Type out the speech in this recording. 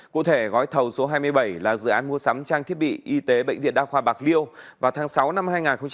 cụ thể gói thầu số hai mươi bảy là dự án mua sắm trang thiết bị y tế bệnh viện đa khoa bạc liêu vào tháng sáu năm hai nghìn hai mươi